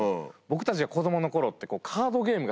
僕たちが子供の頃って。